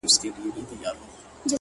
زما هغـه ســـترگو ته ودريـــږي،